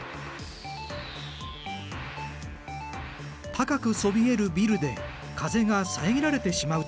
高くそびえるビルで風が遮られてしまうためだ。